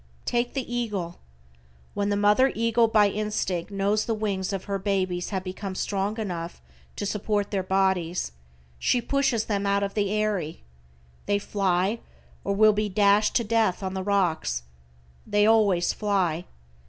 Take the eagle, when the mother eagle by instinct knows the wings of her babies have become strong enough to support their bodies, she pushes them out of the eyrie. They fly, or will be dashed to death on the rocks. They always fly.